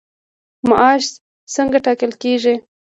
معاش څنګه ټاکل کیږي؟